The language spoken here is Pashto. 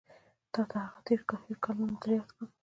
تا ته هغه تېر هېر کلونه در یاد کړم.